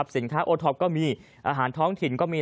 สินค้าโอท็อปก็มีอาหารท้องถิ่นก็มี